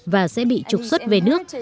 và sẽ không được phép làm việc tại nước này